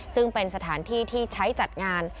ซึ่งเป็นสถานที่ที่ใช้จัดงาน